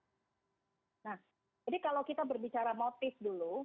jadi kalau kita berbicara motif dulu